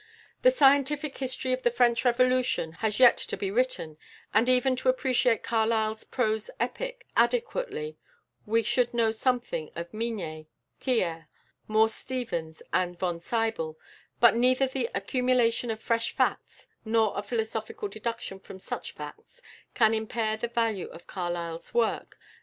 The scientific history of the French Revolution has yet to be written; and even to appreciate Carlyle's prose epic adequately we should know something of Mignet, Thiers, Morse Stephens, and von Sybel, but neither the accumulation of fresh facts, nor a philosophical deduction from such facts, can impair the value of Carlyle's work.